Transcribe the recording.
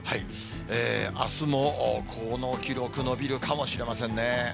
あすもこの記録、伸びるかもしれませんね。